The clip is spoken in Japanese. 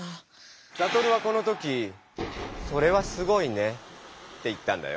サトルはこの時「それはすごいね」って言ったんだよ。